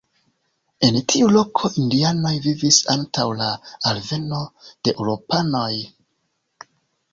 En tiu loko indianoj vivis antaŭ la alveno de eŭropanoj.